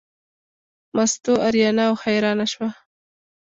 مستو اریانه او حیرانه شوه.